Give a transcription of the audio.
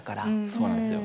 そうなんですよ。